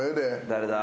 誰だ？